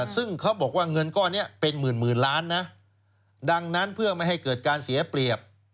ซึ่งเขาบอกว่าเงินก้อนนี้เป็นหมื่นล้านนะดังนั้นเพื่อไม่ให้เกิดการเสียเปรียบ